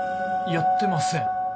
やってません。